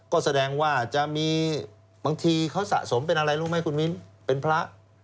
ก็แสดงว่าจะมีบางทีเขาสะสมเป็นอะไรรู้ไหมคุณมิ้นเป็นพระ